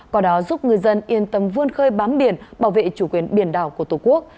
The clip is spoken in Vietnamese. có đó giúp ngư dân yên tâm vươn khơi bám biển bảo vệ chủ quyền biển đảo của tổ quốc